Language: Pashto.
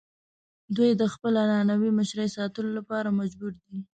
دوی د خپلې عنعنوي مشرۍ ساتلو لپاره مجبور دي.